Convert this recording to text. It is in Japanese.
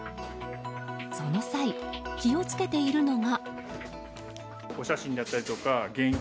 その際、気を付けているのが。